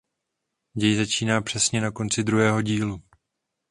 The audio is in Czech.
Děj začíná přesně na konci druhého dílu.